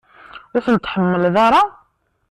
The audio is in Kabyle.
Ur tent-tḥemmleḍ ara?